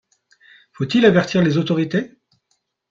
Faut-il avertir les autorités?